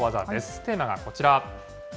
テーマがこちら。